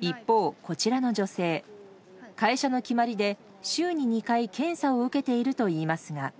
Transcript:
一方、こちらの女性会社の決まりで週に２回検査を受けているといいますが。